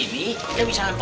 di wilayah kisah belanda